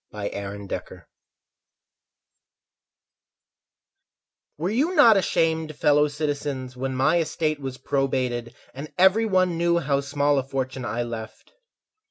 Nicholas Bindle Were you not ashamed, fellow citizens, When my estate was probated and everyone knew How small a fortune I left?